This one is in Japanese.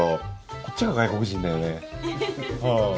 こっちが外国人だよね。